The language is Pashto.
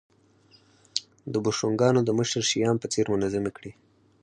د بوشونګانو د مشر شیام په څېر منظمې کړې